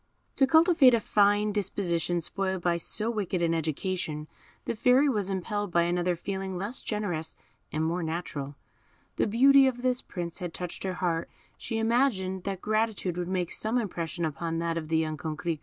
To cultivate a fine disposition spoiled by so wicked an education, the Fairy was impelled by another feeling less generous and more natural. The beauty of this Prince had touched her heart, she imagined that gratitude would make some impression upon that of the young Coquerico.